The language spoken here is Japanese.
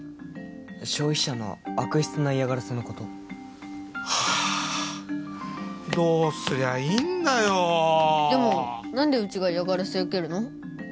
消費者の悪質な嫌がらせのことどうすりゃいいんだよでも何でうちが嫌がらせ受けるの？